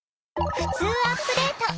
「ふつうアップデート」。